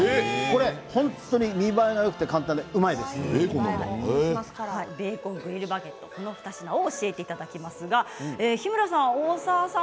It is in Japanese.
本当に見栄えがよくてクリスマスライスサラダとベーコングリルバゲットの２品を教えていただきますが日村さん、大沢さん